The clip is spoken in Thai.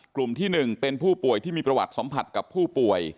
กลุ่มที่๑เป็นผู้ป่วยที่มีประวัติสัมผัสกับผู้ป่วย